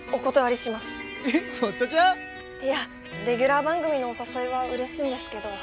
えっ堀田ちゃん？いやレギュラー番組のお誘いはうれしいんですけど